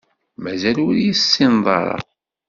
Mazal ur iyi-tessineḍ ara.